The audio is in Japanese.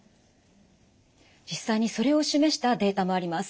実際にそれを示したデータもあります。